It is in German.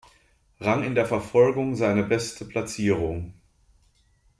Rang in der Verfolgung seine beste Platzierung.